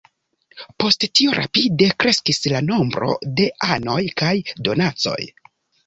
Post tio rapide kreskis la nombro de anoj kaj donacoj.